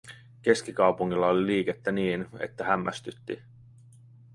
Keskikaupungilla oli liikettä niin, että hämmästytti.